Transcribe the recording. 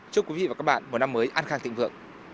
chúc quý vị và các bạn một năm mới an khang thịnh vượng